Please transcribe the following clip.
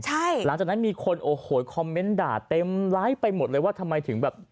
หลังจากนั้นมีคนโอ้โหคอมเมนต์ด่าเต็มร้ายไปหมดเลยว่าทำไมถึงแบบ